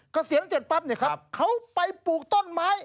กระเซียนเจ็ดปั๊บนะครับเขาไปปลูกต้นไม้